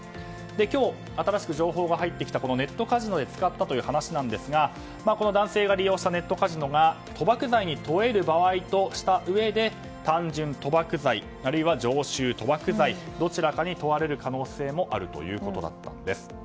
今日、新しく情報が入ってきたネットカジノで使ったという話ですがこの男性が利用したネットカジノが賭博罪に問える場合としたうえで単純賭博罪あるいは常習賭博罪どちらかに問われる可能性もあるとでした。